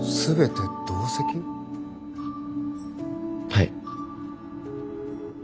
はい。